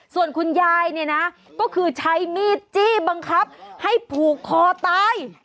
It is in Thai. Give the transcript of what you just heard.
ส่วนคุณยายเนี่ยนะก็คือใช้มีดจี้บังคับให้ผูกคอตาย